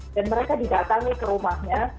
dan mereka didatangi ke rumahnya